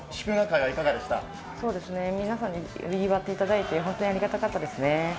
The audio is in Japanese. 皆さんににぎわっていただいて非常にありがたかったです。